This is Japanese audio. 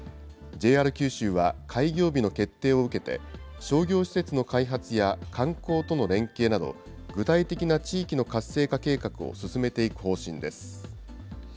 ＪＲ九州は開業日の決定を受けて、商業施設の開発や観光との連携など、具体的な地域の活性化計画を進めていく方針です。